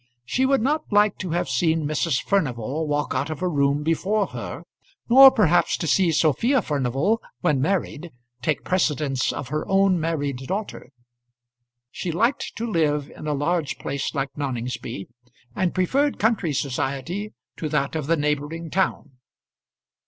She would not like to have seen Mrs. Furnival walk out of a room before her, nor perhaps to see Sophia Furnival when married take precedence of her own married daughter. She liked to live in a large place like Noningsby, and preferred country society to that of the neighbouring town.